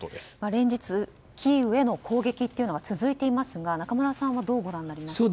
連日、キーウへの攻撃が続いていますが中村さんはどうご覧になりますか。